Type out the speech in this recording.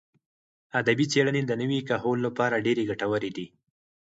ادبي څېړنې د نوي کهول لپاره ډېرې ګټورې دي.